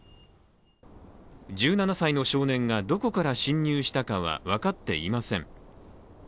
１７歳の少年がどこから侵入したのかは分かっていません。